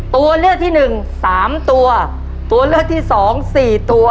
ตัวเลือกที่หนึ่งสามตัวตัวเลือกที่สองสี่ตัว